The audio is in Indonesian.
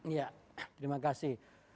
iya terima kasih